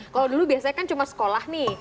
kalau dulu biasanya kan cuma sekolah nih